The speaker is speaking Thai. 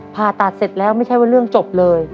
ผ่าตัดเสร็จแล้วไม่ใช่ว่าเรื่องจบเลย